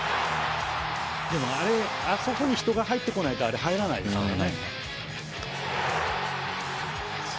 あそこに人が入ってこないとあれは入らないですからね。